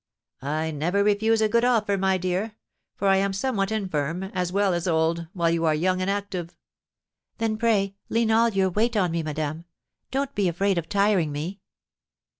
"I never refuse a good offer, my dear; for I am somewhat infirm, as well as old, while you are young and active." "Then pray lean all your weight on me, madame; don't be afraid of tiring me."